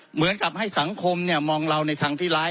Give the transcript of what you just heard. เหมือนกับให้สังคมมองเราในทางที่ร้าย